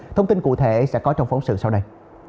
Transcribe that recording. thông tin cụ thể sẽ có trong phóng sự sau đây